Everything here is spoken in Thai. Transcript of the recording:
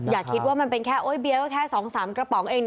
อย่าคิดว่ามันเป็นแค่โอ๊ยเบียร์ก็แค่๒๓กระป๋องเอง